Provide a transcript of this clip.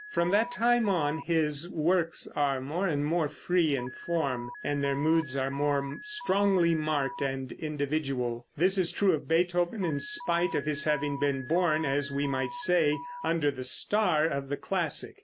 From that time on, his works are more and more free in form, and their moods are more strongly marked and individual. This is true of Beethoven, in spite of his having been born, as we might say, under the star of the classic.